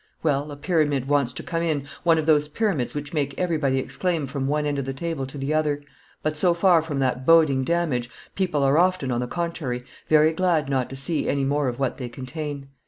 Well, a pyramid wants to come in, one of those pyramids which make everybody exclaim from one end of the table to the other; but so far from that boding damage, people are often, on the contrary, very glad not to see any more of what they contain.